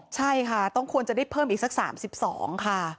ใช่ค่ะต้องควรจะได้เพิ่มอีกสัก๓๒ค่ะ